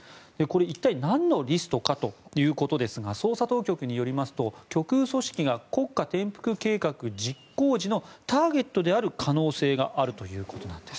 一体何のリストかというと捜査当局によりますと極右組織が国家転覆計画実行時のターゲットである可能性があるということです。